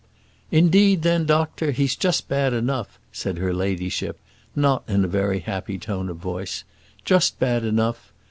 "Indeed then, doctor, he's just bad enough," said her ladyship, not in a very happy tone of voice; "just bad enough.